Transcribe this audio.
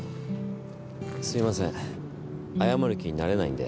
すいません謝る気になれないんで。